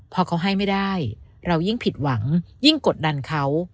พอเขาให้ไม่ได้เรายิ่งผิดหวังยิ่งกดดันเขา